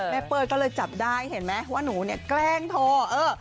เป้ยก็เลยจับได้เห็นไหมว่าหนูเนี่ยแกล้งโทรเออ